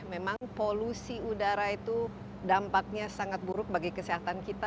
memang polusi udara itu dampaknya sangat buruk bagi kesehatan kita